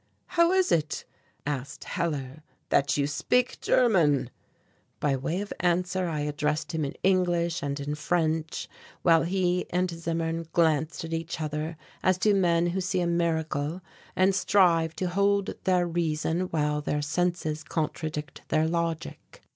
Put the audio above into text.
"How is it," asked Hellar, "that you speak German?" By way of answer I addressed him in English and in French, while he and Zimmern glanced at each other as do men who see a miracle and strive to hold their reason while their senses contradict their logic.